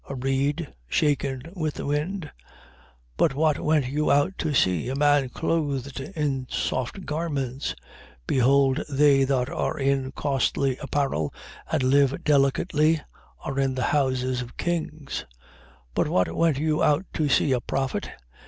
A reed shaken with the wind? 7:25. But what went you out to see? A man clothed in soft garments? Behold they that are in costly apparel and live delicately are in the houses of kings. 7:26. But what went you out to see? A prophet?